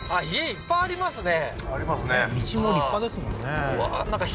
いっぱいありますね